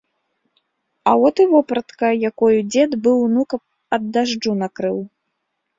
А от і вопратка, якою дзед быў унука ад дажджу накрыў.